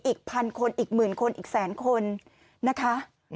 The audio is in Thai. อีกพันคนอีกหมื่นคนอีกแสนคนนะคะ